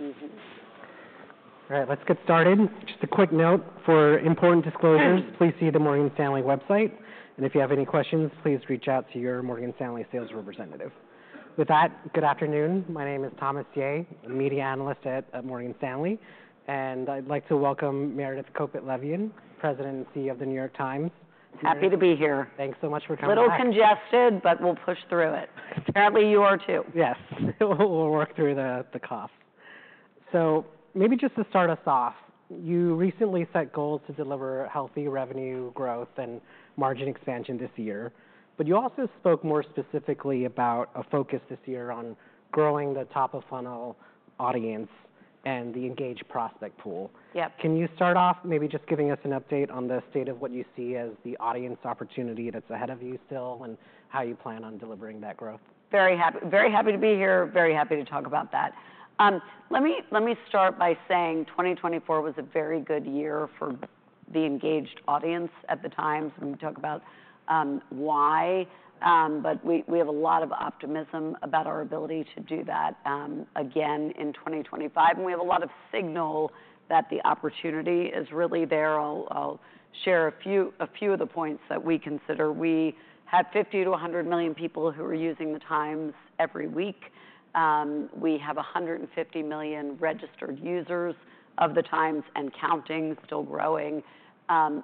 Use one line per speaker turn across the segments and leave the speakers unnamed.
All right, let's get started. Just a quick note for important disclosures. Please see the Morgan Stanley website, and if you have any questions, please reach out to your Morgan Stanley sales representative. With that, good afternoon. My name is Thomas Yeh, a media analyst at Morgan Stanley, and I'd like to welcome Meredith Kopit Levien, President and CEO of The New York Times.
Happy to be here.
Thanks so much for coming on.
A little congested, but we'll push through it. Apparently, you are too.
Yes, we'll work through the cough. So maybe just to start us off, you recently set goals to deliver healthy revenue growth and margin expansion this year, but you also spoke more specifically about a focus this year on growing the top-of-funnel audience and the engaged prospect pool.
Yep.
Can you start off maybe just giving us an update on the state of what you see as the audience opportunity that's ahead of you still and how you plan on delivering that growth?
Very happy to be here, very happy to talk about that. Let me start by saying 2024 was a very good year for the engaged audience at The Times. We talk about why, but we have a lot of optimism about our ability to do that again in 2025, and we have a lot of signal that the opportunity is really there. I'll share a few of the points that we consider. We had 50-100 million people who were using The Times every week. We have 150 million registered users of The Times and counting, still growing.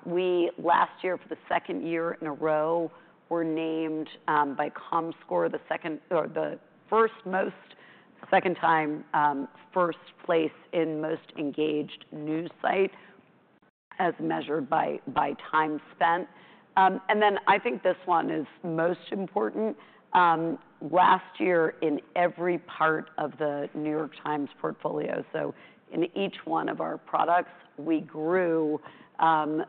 We, last year, for the second year in a row, were named by Comscore the #1 most engaged news site for the second time as measured by time spent. Then I think this one is most important. Last year, in every part of The New York Times portfolio, so in each one of our products, we grew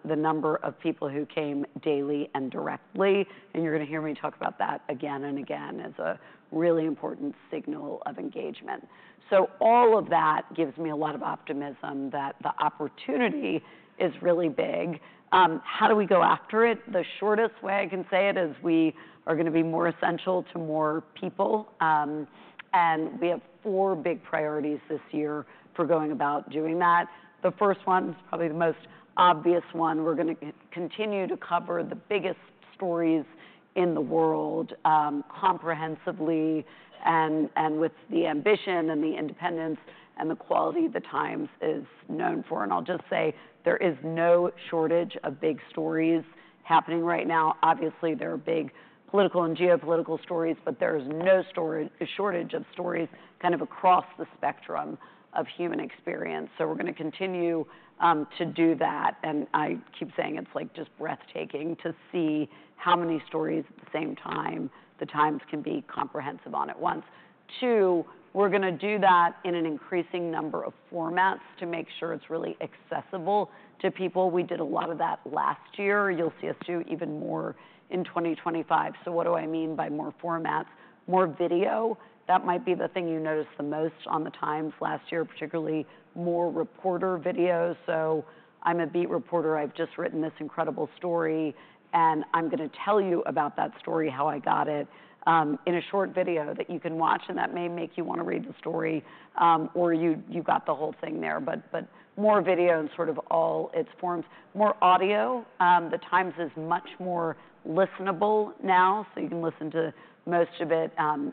the number of people who came daily and directly, and you're going to hear me talk about that again and again as a really important signal of engagement. So all of that gives me a lot of optimism that the opportunity is really big. How do we go after it? The shortest way I can say it is we are going to be more essential to more people, and we have four big priorities this year for going about doing that. The first one is probably the most obvious one. We're going to continue to cover the biggest stories in the world comprehensively, and with the ambition and the independence and the quality The Times is known for. I'll just say there is no shortage of big stories happening right now. Obviously, there are big political and geopolitical stories, but there is no shortage of stories kind of across the spectrum of human experience. We're going to continue to do that, and I keep saying it's like just breathtaking to see how many stories at the same time The Times can be comprehensive on at once. Two, we're going to do that in an increasing number of formats to make sure it's really accessible to people. We did a lot of that last year. You'll see us do even more in 2025. What do I mean by more formats? More video. That might be the thing you noticed the most on The Times last year, particularly more reporter videos. I'm a beat reporter. I've just written this incredible story, and I'm going to tell you about that story, how I got it, in a short video that you can watch, and that may make you want to read the story, or you got the whole thing there. But more video in sort of all its forms. More audio. The Times is much more listenable now, so you can listen to most of it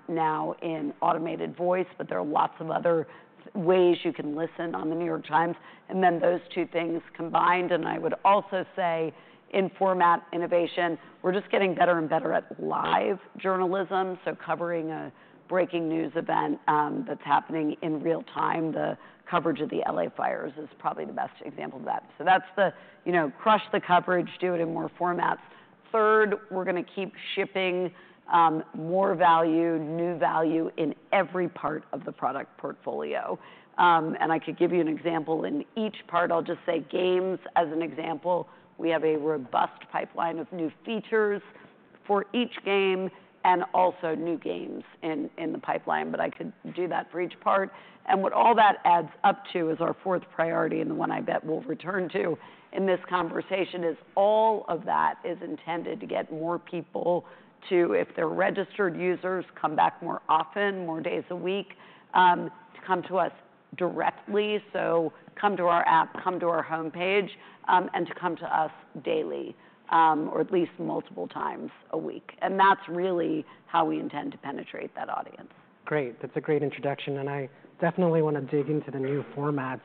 now in automated voice, but there are lots of other ways you can listen on The New York Times. And then those two things combined, and I would also say in format innovation, we're just getting better and better at live journalism. So covering a breaking news event that's happening in real time, the coverage of the L.A. fires is probably the best example of that. So that's the, you know, crush the coverage, do it in more formats. Third, we're going to keep shipping more value, new value in every part of the product portfolio. And I could give you an example in each part. I'll just say Games as an example. We have a robust pipeline of new features for each game and also new games in the pipeline, but I could do that for each part. And what all that adds up to is our fourth priority, and the one I bet we'll return to in this conversation is all of that is intended to get more people to, if they're registered users, come back more often, more days a week, to come to us directly. So come to our app, come to our homepage, and to come to us daily or at least multiple times a week. And that's really how we intend to penetrate that audience.
Great. That's a great introduction, and I definitely want to dig into the new formats.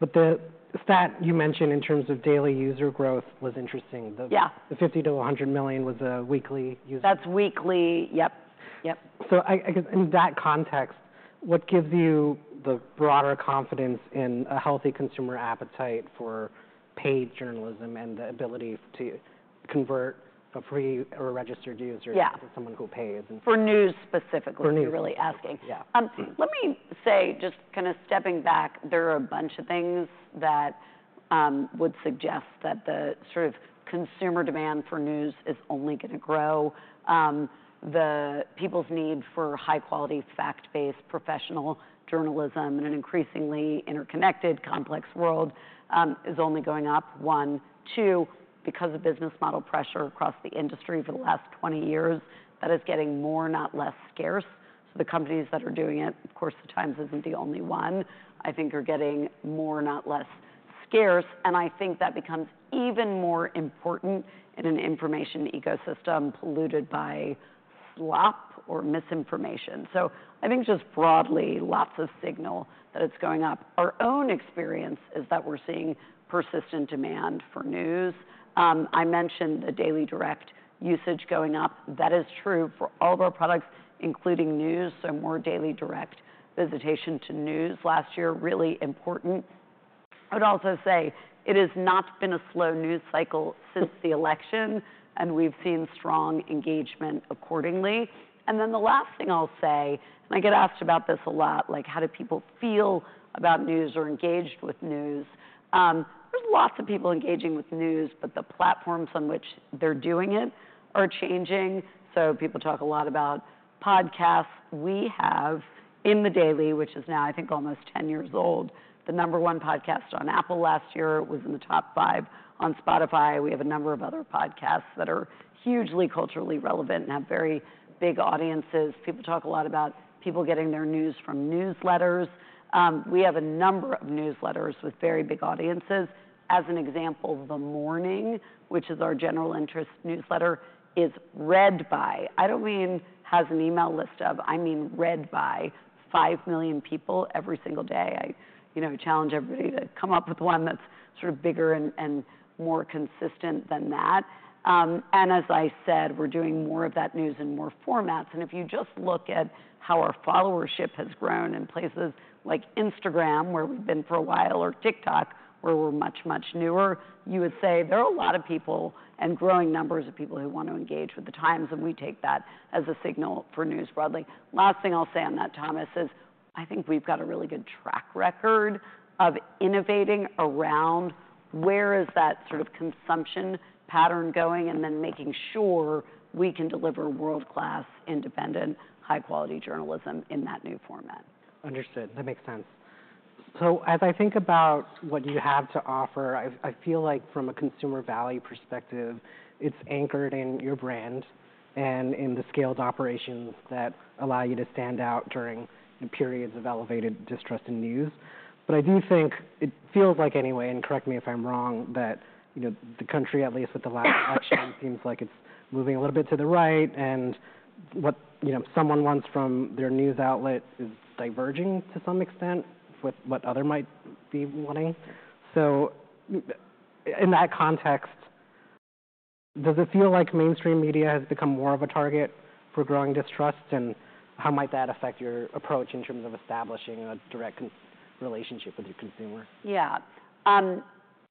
But the stat you mentioned in terms of daily user growth was interesting.
Yeah.
The 50-100 million was a weekly user.
That's weekly, yep, yep.
In that context, what gives you the broader confidence in a healthy consumer appetite for paid journalism and the ability to convert a free or registered user to someone who pays?
For news specifically, if you're really asking.
Yeah.
Let me say, just kind of stepping back, there are a bunch of things that would suggest that the sort of consumer demand for news is only going to grow. The people's need for high-quality, fact-based, professional journalism in an increasingly interconnected, complex world is only going up. One. Two, because of business model pressure across the industry for the last 20 years, that is getting more, not less scarce. So the companies that are doing it, of course, The Times isn't the only one, I think are getting more, not less scarce, and I think that becomes even more important in an information ecosystem polluted by slop or misinformation. So I think just broadly, lots of signal that it's going up. Our own experience is that we're seeing persistent demand for news. I mentioned the Daily Direct usage going up. That is true for all of our products, including news, so more Daily Direct visitation to news last year, really important. I would also say it has not been a slow news cycle since the election, and we've seen strong engagement accordingly. Then the last thing I'll say, and I get asked about this a lot, like how do people feel about news or engaged with news? There's lots of people engaging with news, but the platforms on which they're doing it are changing. People talk a lot about podcasts. We have in The Daily, which is now, I think, almost 10 years old, the number one podcast on Apple last year, was in the top five on Spotify. We have a number of other podcasts that are hugely culturally relevant and have very big audiences. People talk a lot about people getting their news from newsletters. We have a number of newsletters with very big audiences. As an example, The Morning, which is our general interest newsletter, is read by, I don't mean has an email list of, I mean read by 5 million people every single day. I challenge everybody to come up with one that's sort of bigger and more consistent than that, and as I said, we're doing more of that news in more formats, and if you just look at how our followership has grown in places like Instagram, where we've been for a while, or TikTok, where we're much, much newer, you would say there are a lot of people and growing numbers of people who want to engage with The Times, and we take that as a signal for news broadly. Last thing I'll say on that, Thomas, is I think we've got a really good track record of innovating around where is that sort of consumption pattern going and then making sure we can deliver world-class, independent, high-quality journalism in that new format.
Understood. That makes sense. So as I think about what you have to offer, I feel like from a consumer value perspective, it's anchored in your brand and in the scaled operations that allow you to stand out during periods of elevated distrust in news. But I do think it feels like anyway, and correct me if I'm wrong, that the country, at least with the last election, seems like it's moving a little bit to the right, and what someone wants from their news outlet is diverging to some extent with what others might be wanting. So in that context, does it feel like mainstream media has become more of a target for growing distrust, and how might that affect your approach in terms of establishing a direct relationship with your consumer?
Yeah.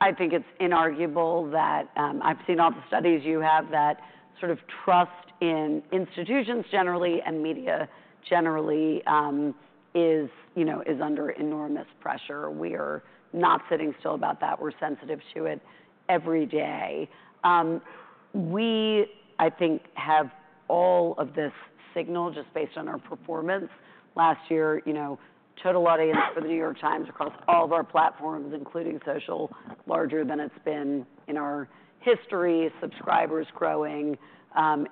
I think it's inarguable that I've seen all the studies you have, that sort of trust in institutions generally and media generally is under enormous pressure. We are not sitting still about that. We're sensitive to it every day. We, I think, have all of this signal just based on our performance. Last year, total audience for The New York Times across all of our platforms, including social, larger than it's been in our history, subscribers growing,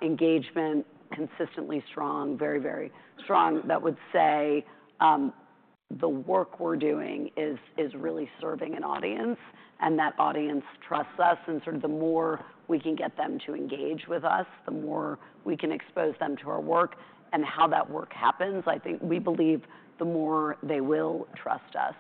engagement consistently strong, very, very strong. That would say the work we're doing is really serving an audience, and that audience trusts us, and sort of the more we can get them to engage with us, the more we can expose them to our work and how that work happens. I think we believe the more they will trust us.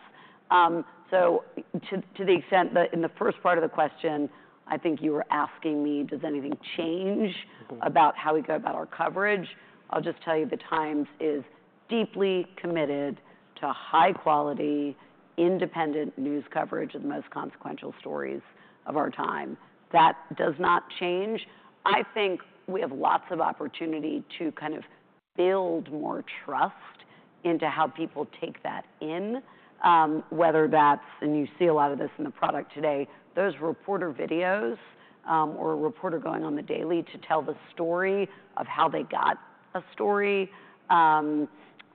So to the extent that in the first part of the question, I think you were asking me, does anything change about how we go about our coverage? I'll just tell you The Times is deeply committed to high-quality, independent news coverage of the most consequential stories of our time. That does not change. I think we have lots of opportunity to kind of build more trust into how people take that in, whether that's, and you see a lot of this in the product today, those reporter videos or a reporter going on The Daily to tell the story of how they got a story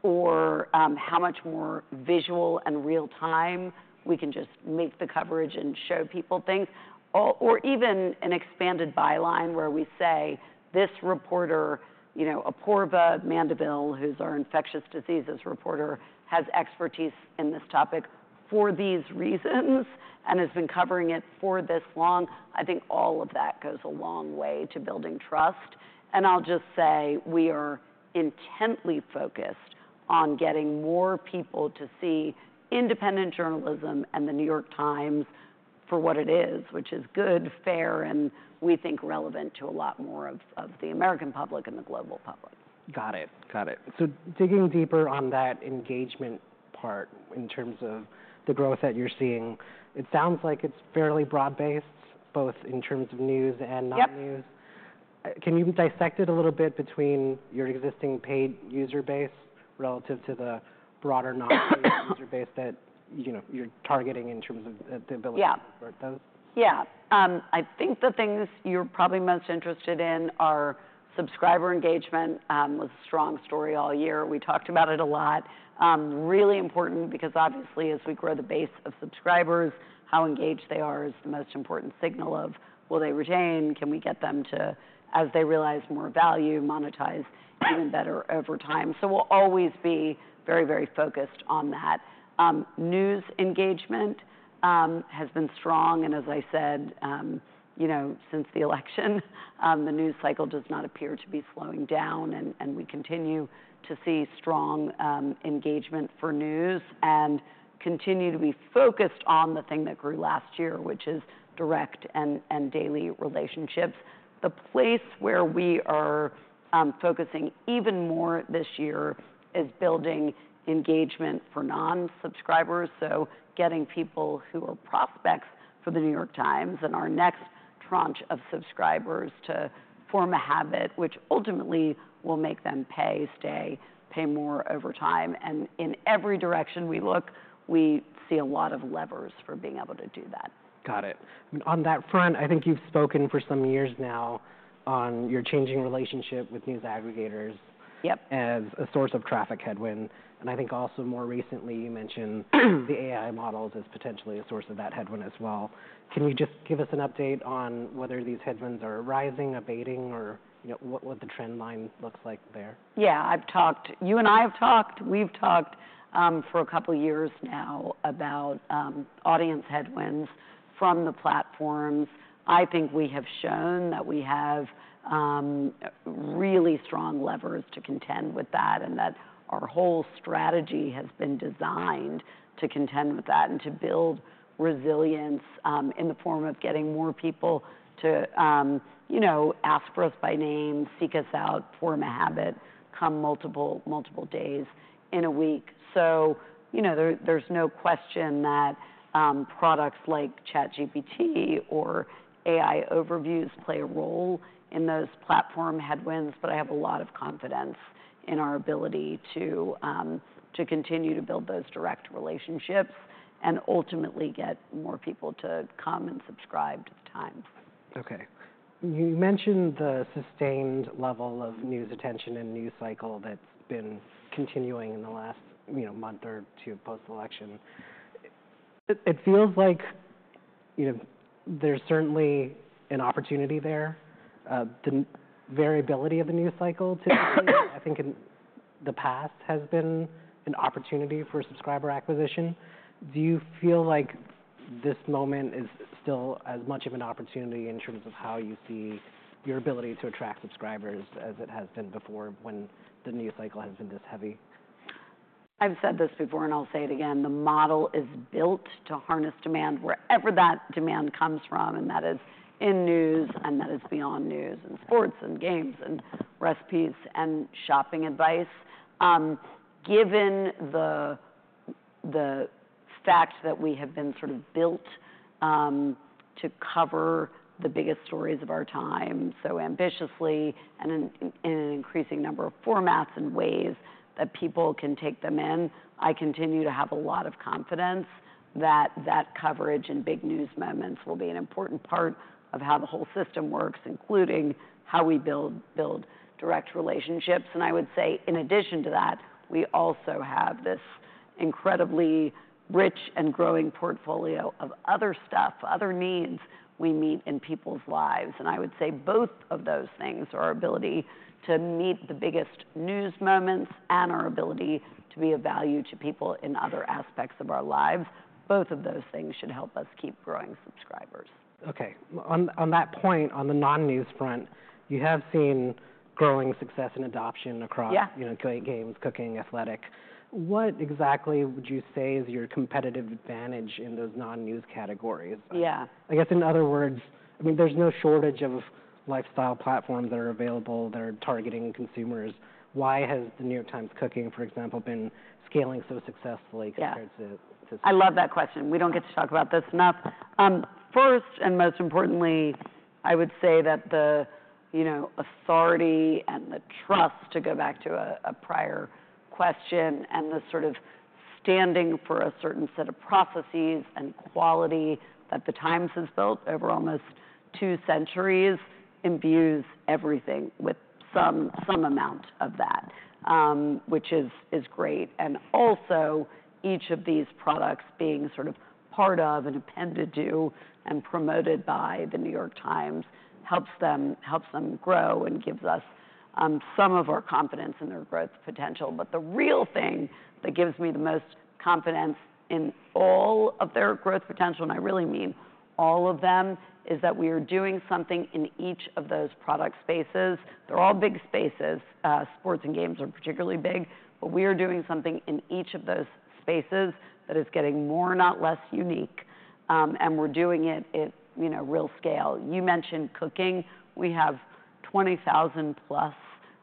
or how much more visual and real-time we can just make the coverage and show people things, or even an expanded byline where we say this reporter, you know, Apoorva Mandavilli, who's our infectious diseases reporter, has expertise in this topic for these reasons and has been covering it for this long. I think all of that goes a long way to building trust. I'll just say we are intently focused on getting more people to see independent journalism and The New York Times for what it is, which is good, fair, and we think relevant to a lot more of the American public and the global public.
Got it. Got it. So digging deeper on that engagement part in terms of the growth that you're seeing, it sounds like it's fairly broad-based both in terms of news and non-news. Can you dissect it a little bit between your existing paid user base relative to the broader non-paid user base that you're targeting in terms of the ability to convert those?
Yeah. I think the things you're probably most interested in are subscriber engagement was a strong story all year. We talked about it a lot. Really important because obviously as we grow the base of subscribers, how engaged they are is the most important signal of will they retain? Can we get them to, as they realize more value, monetize even better over time? So we'll always be very, very focused on that. News engagement has been strong, and as I said, you know, since the election, the news cycle does not appear to be slowing down, and we continue to see strong engagement for news and continue to be focused on the thing that grew last year, which is direct and daily relationships. The place where we are focusing even more this year is building engagement for non-subscribers. So getting people who are prospects for The New York Times and our next tranche of subscribers to form a habit, which ultimately will make them pay, stay, pay more over time. And in every direction we look, we see a lot of levers for being able to do that.
Got it. On that front, I think you've spoken for some years now on your changing relationship with news aggregators as a source of traffic headwind, and I think also more recently you mentioned the AI models as potentially a source of that headwind as well. Can you just give us an update on whether these headwinds are rising, abating, or what the trend line looks like there?
Yeah, I've talked, you and I have talked, we've talked for a couple of years now about audience headwinds from the platforms. I think we have shown that we have really strong levers to contend with that and that our whole strategy has been designed to contend with that and to build resilience in the form of getting more people to, you know, ask for us by name, seek us out, form a habit, come multiple, multiple days in a week. So, you know, there's no question that products like ChatGPT or AI Overviews play a role in those platform headwinds, but I have a lot of confidence in our ability to continue to build those direct relationships and ultimately get more people to come and subscribe to The Times.
Okay. You mentioned the sustained level of news attention and news cycle that's been continuing in the last month or two post-election. It feels like, you know, there's certainly an opportunity there. The variability of the news cycle typically, I think in the past has been an opportunity for subscriber acquisition. Do you feel like this moment is still as much of an opportunity in terms of how you see your ability to attract subscribers as it has been before when the news cycle has been this heavy?
I've said this before and I'll say it again. The model is built to harness demand wherever that demand comes from, and that is in news and that is beyond news and sports and games and recipes and shopping advice. Given the fact that we have been sort of built to cover the biggest stories of our time so ambitiously and in an increasing number of formats and ways that people can take them in, I continue to have a lot of confidence that that coverage and big news moments will be an important part of how the whole system works, including how we build direct relationships, and I would say in addition to that, we also have this incredibly rich and growing portfolio of other stuff, other needs we meet in people's lives. I would say both of those things, our ability to meet the biggest news moments and our ability to be of value to people in other aspects of our lives, both of those things should help us keep growing subscribers.
Okay. On that point, on the non-news front, you have seen growing success in adoption across, you know, Games, Cooking, Athletic. What exactly would you say is your competitive advantage in those non-news categories?
Yeah.
I guess in other words, I mean, there's no shortage of lifestyle platforms that are available that are targeting consumers. Why has The New York Times Cooking, for example, been scaling so successfully compared to?
I love that question. We don't get to talk about this enough. First and most importantly, I would say that the, you know, authority and the trust, to go back to a prior question, and the sort of standing for a certain set of processes and quality that The Times has built over almost two centuries imbues everything with some amount of that, which is great. And also each of these products being sort of part of and appended to and promoted by The New York Times helps them grow and gives us some of our confidence in their growth potential. But the real thing that gives me the most confidence in all of their growth potential, and I really mean all of them, is that we are doing something in each of those product spaces. They're all big spaces. Sports and games are particularly big, but we are doing something in each of those spaces that is getting more not less unique, and we're doing it, you know, real scale. You mentioned cooking. We have 20,000 plus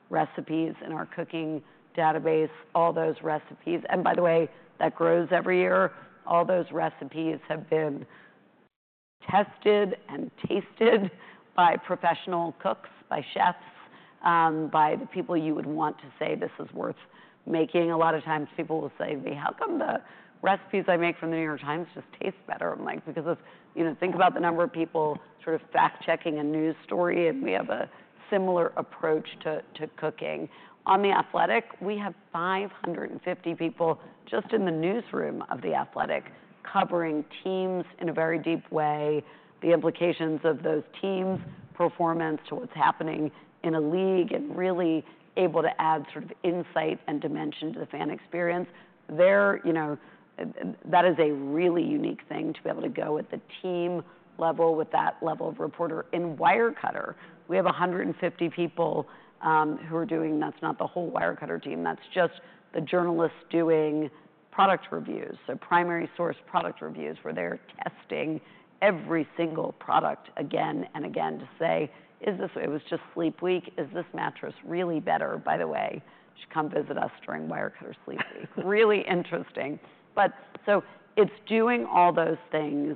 recipes in our cooking database, all those recipes. And by the way, that grows every year. All those recipes have been tested and tasted by professional cooks, by chefs, by the people you would want to say this is worth making. A lot of times people will say, "How come the recipes I make from The New York Times just taste better?" I'm like, because think about the number of people sort of fact-checking a news story, and we have a similar approach to cooking. On The Athletic, we have 550 people just in the newsroom of The Athletic covering teams in a very deep way, the implications of those teams, performance to what's happening in a league, and really able to add sort of insight and dimension to the fan experience. There, you know, that is a really unique thing to be able to go at the team level with that level of reporter. In Wirecutter, we have 150 people who are doing. That's not the whole Wirecutter team. That's just the journalists doing product reviews. So primary source product reviews where they're testing every single product again and again to say, "Is this. It was just Sleep week? Is this mattress really better? By the way, you should come visit us during Wirecutter Sleep Week." Really interesting. But so it's doing all those things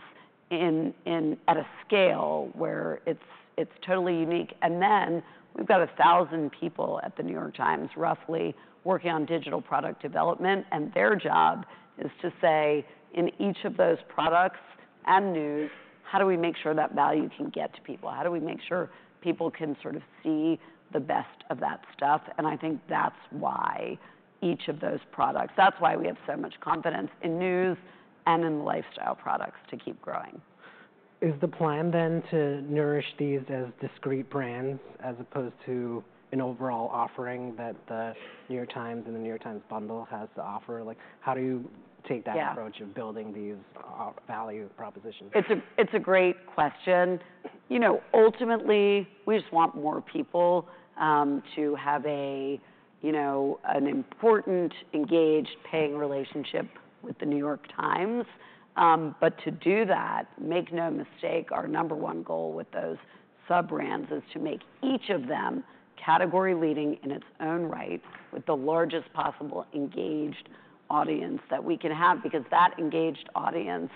at a scale where it's totally unique. And then we've got 1,000 people at The New York Times roughly working on digital product development, and their job is to say in each of those products and news, how do we make sure that value can get to people? How do we make sure people can sort of see the best of that stuff? And I think that's why each of those products, that's why we have so much confidence in news and in lifestyle products to keep growing.
Is the plan then to nourish these as discrete brands as opposed to an overall offering that The New York Times and The New York Times Bundle has to offer? Like how do you take that approach of building these value propositions?
It's a great question. You know, ultimately we just want more people to have a, you know, an important, engaged, paying relationship with The New York Times. But to do that, make no mistake, our number one goal with those sub-brands is to make each of them category-leading in its own right with the largest possible engaged audience that we can have, because that engaged audience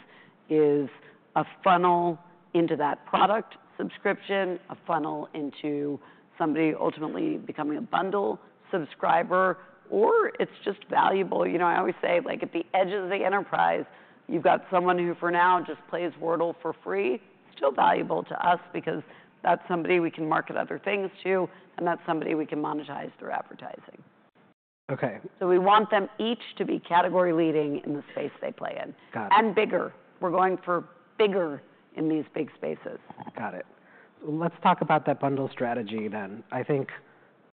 is a funnel into that product subscription, a funnel into somebody ultimately becoming a bundle subscriber, or it's just valuable. You know, I always say like at the edge of the enterprise, you've got someone who for now just plays Wordle for free, still valuable to us because that's somebody we can market other things to and that's somebody we can monetize through advertising.
Okay.
So we want them each to be category-leading in the space they play in and bigger. We're going for bigger in these big spaces.
Got it. Let's talk about that bundle strategy then. I think,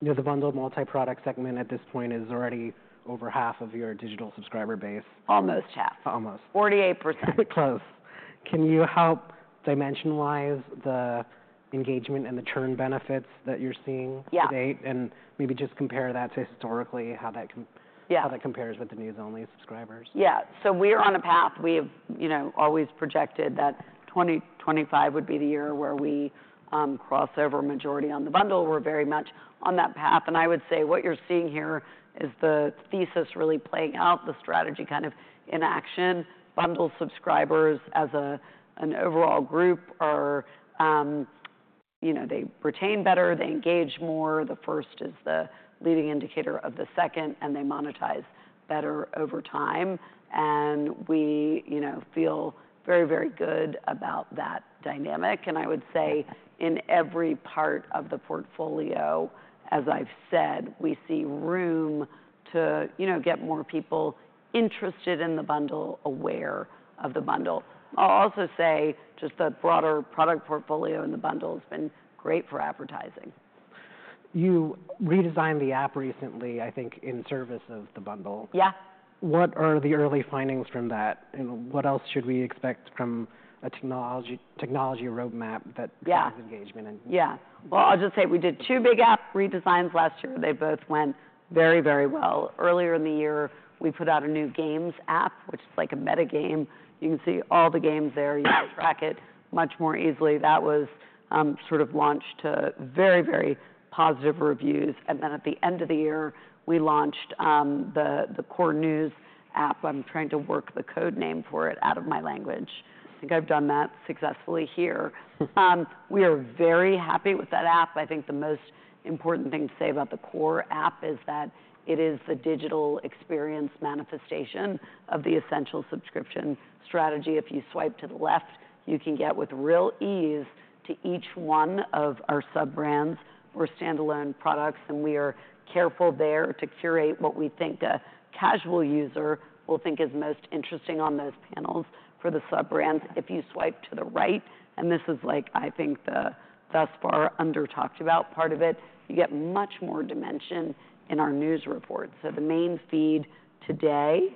you know, the bundle multi-product segment at this point is already over half of your digital subscriber base.
Almost half.
Almost.
48%.
Close. Can you help dimension-wise the engagement and the churn benefits that you're seeing to date and maybe just compare that to historically how that compares with the news-only subscribers?
Yeah, so we are on a path. We have, you know, always projected that 2025 would be the year where we cross over majority on the bundle. We're very much on that path, and I would say what you're seeing here is the thesis really playing out, the strategy kind of in action. Bundle subscribers as an overall group are, you know, they retain better, they engage more. The first is the leading indicator of the second, and they monetize better over time, and we, you know, feel very, very good about that dynamic, and I would say in every part of the portfolio, as I've said, we see room to, you know, get more people interested in the bundle, aware of the bundle. I'll also say just the broader product portfolio in the bundle has been great for advertising.
You redesigned the app recently, I think in service of the bundle.
Yeah.
What are the early findings from that, and what else should we expect from a technology roadmap that has engagement in?
Yeah. Well, I'll just say we did two big app redesigns last year. They both went very, very well. Earlier in the year, we put out a new games app, which is like a meta game. You can see all the games there. You can track it much more easily. That was sort of launched to very, very positive reviews. And then at the end of the year, we launched the Core News app. I'm trying to work the code name for it out of my language. I think I've done that successfully here. We are very happy with that app. I think the most important thing to say about the Core app is that it is the digital experience manifestation of the essential subscription strategy. If you swipe to the left, you can get with real ease to each one of our sub-brands or standalone products. We are careful there to curate what we think a casual user will think is most interesting on those panels for the sub-brands. If you swipe to the right, and this is like, I think the thus far under-talked about part of it, you get much more dimension in our news reports. The main feed today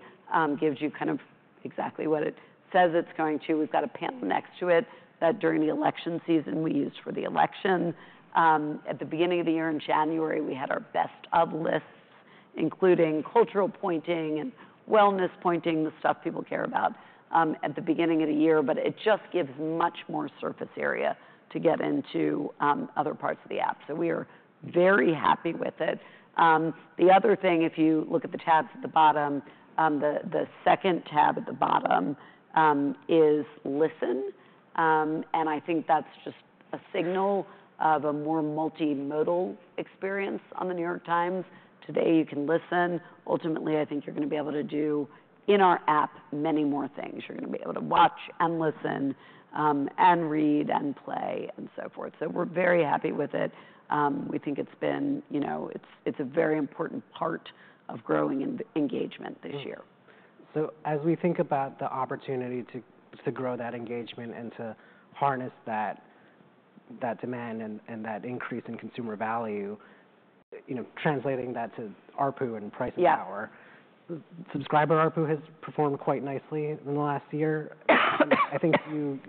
gives you kind of exactly what it says it's going to. We've got a panel next to it that during the election season we used for the election. At the beginning of the year in January, we had our best of lists, including cultural pointing and wellness pointing, the stuff people care about at the beginning of the year, but it just gives much more surface area to get into other parts of the app. We are very happy with it. The other thing, if you look at the tabs at the bottom, the second tab at the bottom is listen, and I think that's just a signal of a more multimodal experience on The New York Times. Today you can listen. Ultimately, I think you're going to be able to do in our app many more things. You're going to be able to watch and listen and read and play and so forth, so we're very happy with it. We think it's been, you know, it's a very important part of growing engagement this year.
So as we think about the opportunity to grow that engagement and to harness that demand and that increase in consumer value, you know, translating that to ARPU and price power, subscriber ARPU has performed quite nicely in the last year. I think you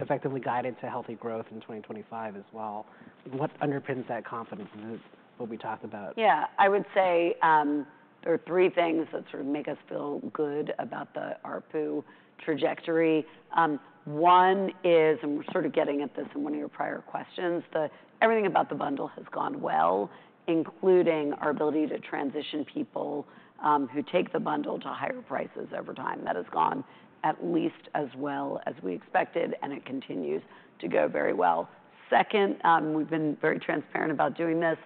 effectively guided to healthy growth in 2025 as well. What underpins that confidence is what we talked about.
Yeah. I would say there are three things that sort of make us feel good about the ARPU trajectory. One is, and we're sort of getting at this in one of your prior questions, that everything about the bundle has gone well, including our ability to transition people who take the bundle to higher prices over time. That has gone at least as well as we expected, and it continues to go very well. Second, we've been very transparent about doing this.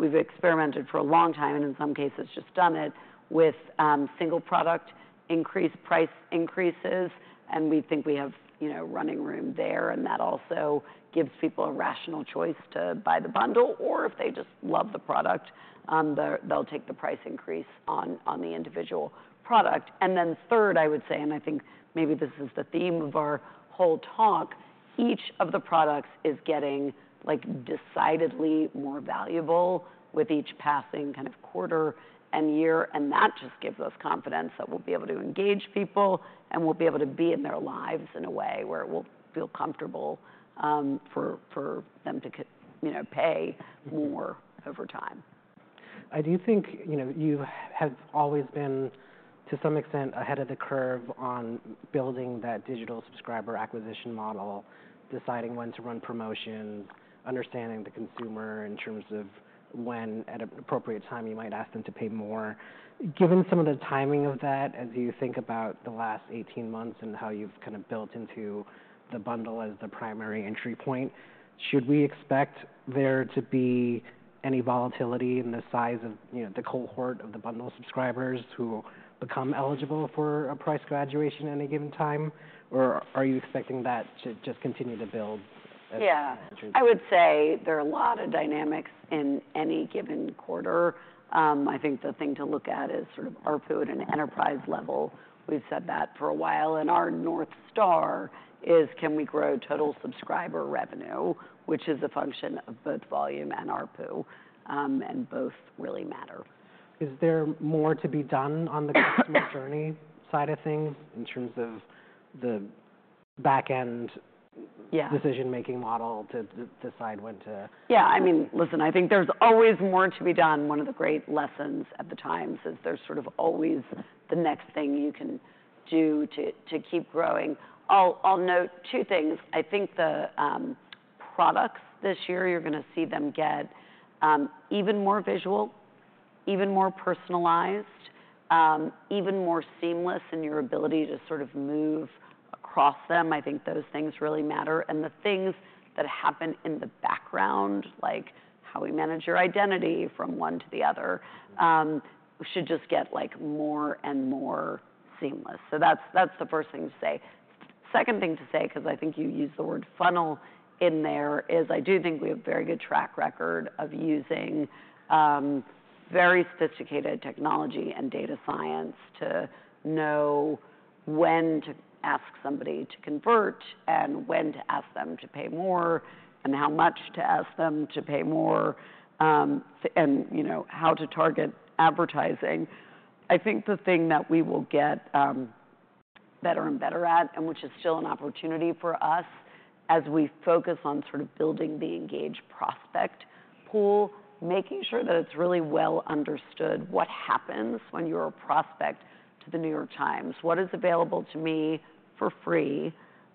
We've experimented for a long time and in some cases just done it with single product price increases. And we think we have, you know, running room there. And that also gives people a rational choice to buy the bundle. Or if they just love the product, they'll take the price increase on the individual product. And then third, I would say, and I think maybe this is the theme of our whole talk, each of the products is getting like decidedly more valuable with each passing kind of quarter and year. And that just gives us confidence that we'll be able to engage people and we'll be able to be in their lives in a way where it will feel comfortable for them to, you know, pay more over time.
I do think, you know, you have always been to some extent ahead of the curve on building that digital subscriber acquisition model, deciding when to run promotions, understanding the consumer in terms of when at an appropriate time you might ask them to pay more. Given some of the timing of that, as you think about the last 18 months and how you've kind of built into the bundle as the primary entry point, should we expect there to be any volatility in the size of, you know, the cohort of the bundle subscribers who become eligible for a price graduation at any given time? Or are you expecting that to just continue to build?
Yeah. I would say there are a lot of dynamics in any given quarter. I think the thing to look at is sort of ARPU at an enterprise level. We've said that for a while. And our North Star is can we grow total subscriber revenue, which is a function of both volume and ARPU, and both really matter.
Is there more to be done on the customer journey side of things in terms of the backend decision-making model to decide when to?
Yeah. I mean, listen, I think there's always more to be done. One of the great lessons at The Times is there's sort of always the next thing you can do to keep growing. I'll note two things. I think the products this year, you're going to see them get even more visual, even more personalized, even more seamless in your ability to sort of move across them. I think those things really matter. And the things that happen in the background, like how we manage your identity from one to the other, should just get like more and more seamless. So that's the first thing to say. Second thing to say, because I think you used the word funnel in there, is I do think we have a very good track record of using very sophisticated technology and data science to know when to ask somebody to convert and when to ask them to pay more and how much to ask them to pay more and, you know, how to target advertising. I think the thing that we will get better and better at, and which is still an opportunity for us as we focus on sort of building the engaged prospect pool, making sure that it's really well understood what happens when you're a prospect to The New York Times, what is available to me for free,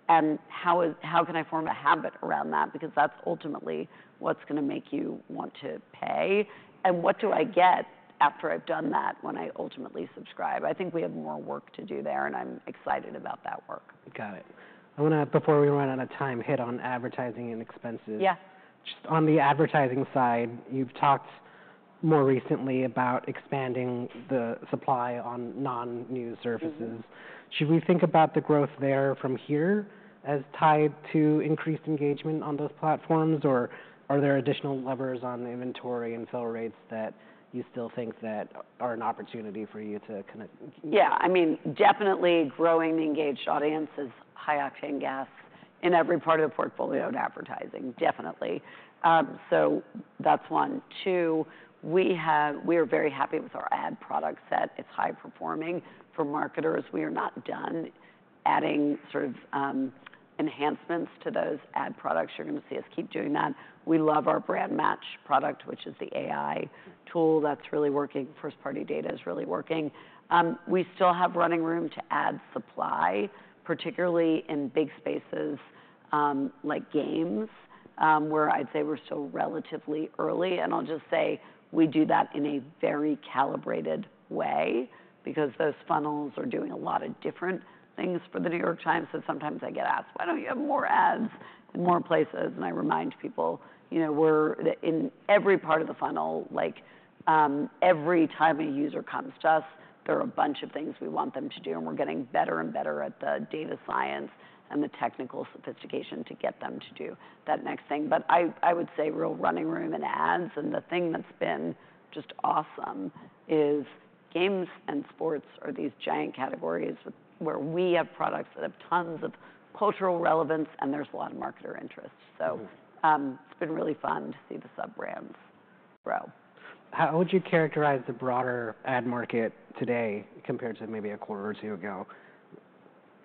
and how can I form a habit around that? Because that's ultimately what's going to make you want to pay. And what do I get after I've done that when I ultimately subscribe? I think we have more work to do there, and I'm excited about that work.
Got it. I want to, before we run out of time, hit on advertising and expenses.
Yeah.
Just on the advertising side, you've talked more recently about expanding the supply on non-news services. Should we think about the growth there from here as tied to increased engagement on those platforms, or are there additional levers on inventory and fill rates that you still think that are an opportunity for you to kind of?
Yeah. I mean, definitely growing the engaged audience is high octane gas in every part of the portfolio in advertising. Definitely. So that's one. Two, we are very happy with our ad product set. It's high performing for marketers. We are not done adding sort of enhancements to those ad products. You're going to see us keep doing that. We love our BrandMatch product, which is the AI tool that's really working. First-party data is really working. We still have running room to add supply, particularly in big spaces like Games, where I'd say we're still relatively early. And I'll just say we do that in a very calibrated way because those funnels are doing a lot of different things for The New York Times. So sometimes I get asked, why don't you have more ads in more places? I remind people, you know, we're in every part of the funnel, like every time a user comes to us, there are a bunch of things we want them to do. We're getting better and better at the data science and the technical sophistication to get them to do that next thing. But I would say real running room in ads. The thing that's been just awesome is games and sports are these giant categories where we have products that have tons of cultural relevance, and there's a lot of marketer interest. So it's been really fun to see the sub-brands grow.
How would you characterize the broader ad market today compared to maybe a quarter or two ago?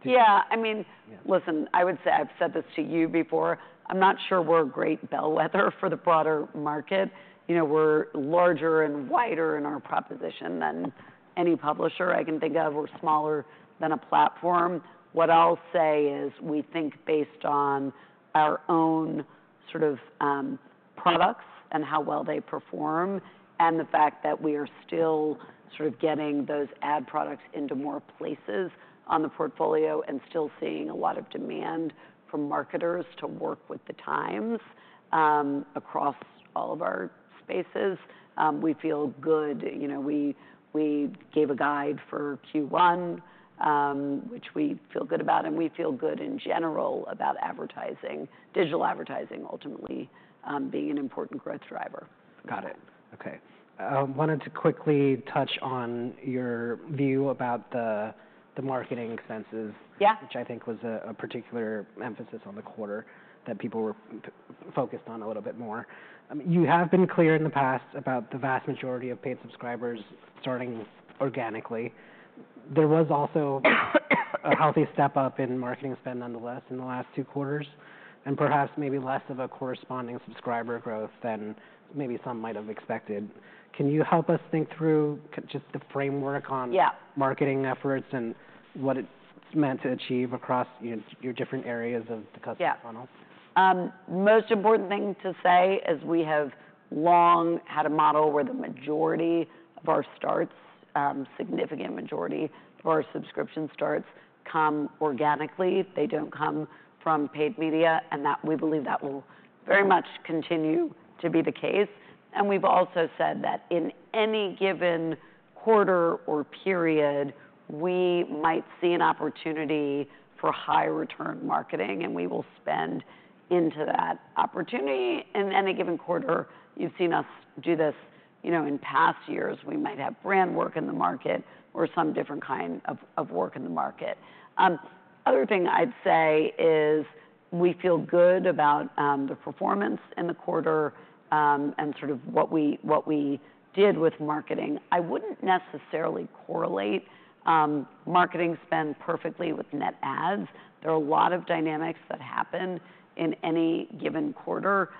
Yeah. I mean, listen, I would say I've said this to you before. I'm not sure we're a great bellwether for the broader market. You know, we're larger and wider in our proposition than any publisher I can think of. We're smaller than a platform. What I'll say is we think based on our own sort of products and how well they perform and the fact that we are still sort of getting those ad products into more places on the portfolio and still seeing a lot of demand from marketers to work with The Times across all of our spaces. We feel good. You know, we gave a guide for Q1, which we feel good about. And we feel good in general about advertising, digital advertising ultimately being an important growth driver.
Got it. Okay. I wanted to quickly touch on your view about the marketing expenses, which I think was a particular emphasis on the quarter that people were focused on a little bit more. You have been clear in the past about the vast majority of paid subscribers starting organically. There was also a healthy step up in marketing spend nonetheless in the last two quarters, and perhaps maybe less of a corresponding subscriber growth than maybe some might have expected. Can you help us think through just the framework on marketing efforts and what it's meant to achieve across your different areas of the customer funnel?
Yeah. Most important thing to say is we have long had a model where the majority of our starts, significant majority of our subscription starts come organically. They don't come from paid media. And we believe that will very much continue to be the case. And we've also said that in any given quarter or period, we might see an opportunity for high return marketing, and we will spend into that opportunity. In any given quarter, you've seen us do this, you know, in past years. We might have brand work in the market or some different kind of work in the market. Other thing I'd say is we feel good about the performance in the quarter and sort of what we did with marketing. I wouldn't necessarily correlate marketing spend perfectly with net adds. There are a lot of dynamics that happen in any given quarter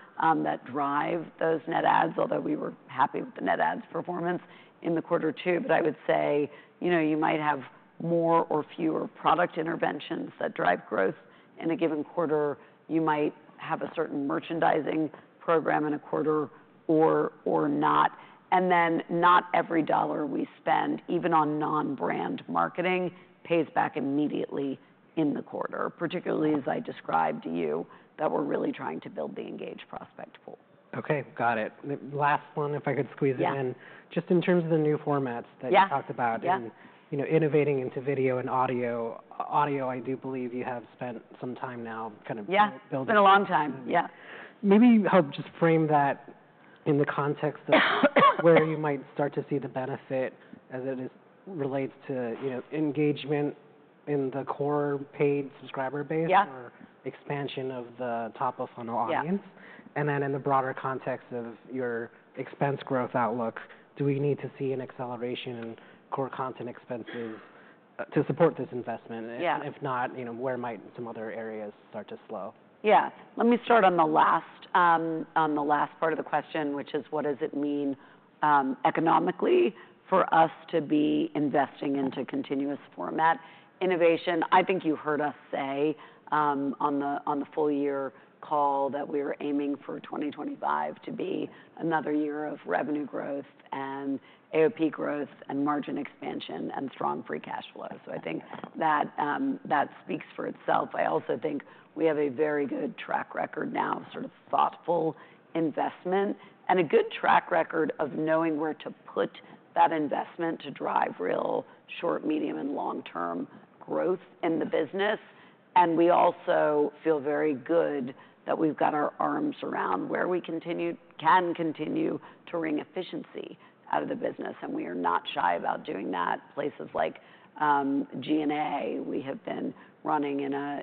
that drive those net adds, although we were happy with the net adds performance in quarter two, but I would say, you know, you might have more or fewer product interventions that drive growth in a given quarter. You might have a certain merchandising program in a quarter or not, and then not every dollar we spend, even on non-brand marketing, pays back immediately in the quarter, particularly as I described to you that we're really trying to build the engaged prospect pool.
Okay. Got it. Last one, if I could squeeze it in. Just in terms of the new formats that you talked about and, you know, innovating into video and audio. Audio, I do believe you have spent some time now kind of building.
Yeah. It's been a long time. Yeah.
Maybe help just frame that in the context. Where you might start to see the benefit as it relates to, you know, engagement in the core paid subscriber base or expansion of the top of funnel audience. And then in the broader context of your expense growth outlook, do we need to see an acceleration in core content expenses to support this investment? If not, you know, where might some other areas start to slow?
Yeah. Let me start on the last, on the last part of the question, which is what does it mean economically for us to be investing into continuous format innovation? I think you heard us say on the full year call that we were aiming for 2025 to be another year of revenue growth and AOP growth and margin expansion and strong free cash flow. So I think that that speaks for itself. I also think we have a very good track record now, sort of thoughtful investment and a good track record of knowing where to put that investment to drive real short, medium, and long-term growth in the business. And we also feel very good that we've got our arms around where we can continue to wring efficiency out of the business. And we are not shy about doing that. Places like G&A, we have been running in a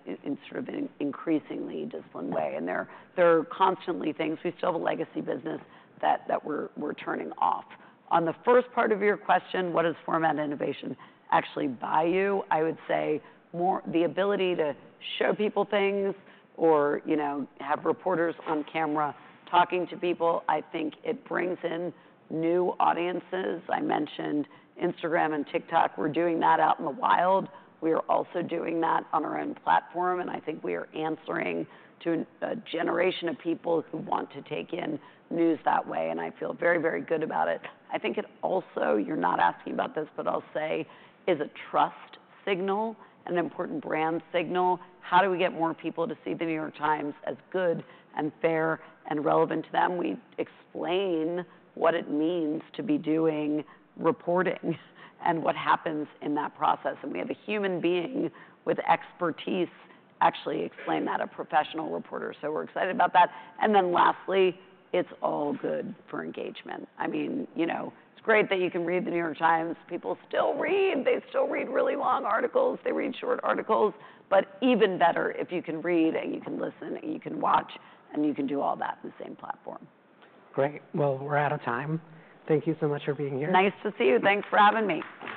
sort of an increasingly disciplined way, and there are constantly things. We still have a legacy business that we're turning off. On the first part of your question, what does format innovation actually buy you? I would say more the ability to show people things or, you know, have reporters on camera talking to people. I think it brings in new audiences. I mentioned Instagram and TikTok. We're doing that out in the wild. We are also doing that on our own platform, and I think we are answering to a generation of people who want to take in news that way, and I feel very, very good about it. I think it also, you're not asking about this, but I'll say, is a trust signal and an important brand signal. How do we get more people to see The New York Times as good and fair and relevant to them? We explain what it means to be doing reporting and what happens in that process, and we have a human being with expertise actually explain that, a professional reporter, so we're excited about that, and then lastly, it's all good for engagement. I mean, you know, it's great that you can read The New York Times. People still read. They still read really long articles. They read short articles, but even better if you can read and you can listen and you can watch and you can do all that in the same platform.
Great. Well, we're out of time. Thank you so much for being here.
Nice to see you. Thanks for having me.